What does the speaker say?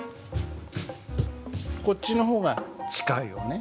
こっちの方が近いよね。